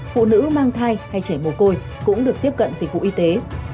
phụ nữ mang thai hay trẻ mồ côi cũng được tiếp cận dịch vụ y tế